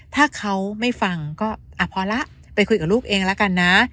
ถ้าเขาไม่ฟังก็พอละไปคุยกับลูกเองละกันนะ